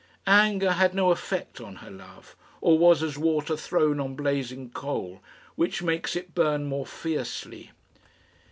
Anger had no effect on her love, or was as water thrown on blazing coal, which makes it burn more fiercely.